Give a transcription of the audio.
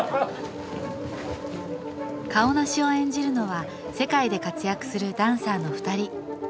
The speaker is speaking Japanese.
カオナシを演じるのは世界で活躍するダンサーの二人